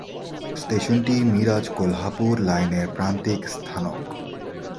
স্টেশনটি মিরাজ-কোলহাপুর লাইনের প্রান্তিক স্থানক।